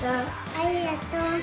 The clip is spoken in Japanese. ありがとう。